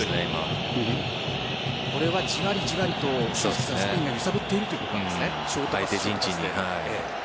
じわりじわりとスペインが揺さぶっているということですね。